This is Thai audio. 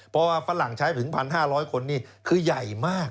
เพราะว่าฝรั่งใช้ถึง๑๕๐๐คนนี่คือใหญ่มาก